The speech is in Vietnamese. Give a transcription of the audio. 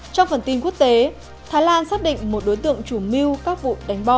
trong phần tin quốc tế thái lan xác định một đối tượng chủ mưu các vụ đánh bom